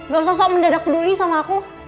gak usah sok mendadak peduli sama aku